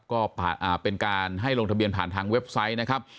ก็เป็นการให้ลงทะเบียนผ่านทางเว็บไซต์นะครับ